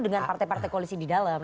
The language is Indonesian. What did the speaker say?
dengan partai partai koalisi di dalam